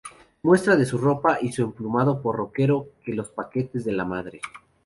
Muestra de su ropa y emplumado por rockero que los paquetes de la madre.